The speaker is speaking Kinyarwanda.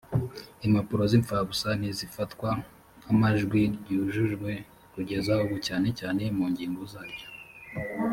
impapuro z imfabusa ntizifatwa nk amajwi ryujujwe kugeza ubu cyane cyane mu ngingo zaryo